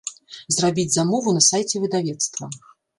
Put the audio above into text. Зрабіць замову на сайце выдавецтва.